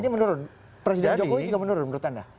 ini menurun presiden jokowi juga menurun menurut anda